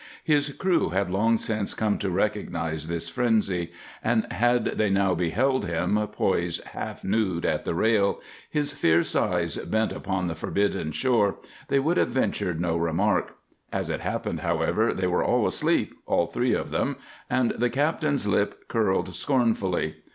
His crew had long since come to recognize this frenzy, and had they now beheld him, poised half nude at the rail, his fierce eyes bent upon the forbidden shore, they would have ventured no remark. As it happened, however, they were all asleep, all three of them, and the captain's lips curled scornfully.